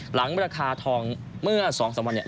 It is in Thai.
หลังราคาทองเมื่อ๒๓วันเนี่ย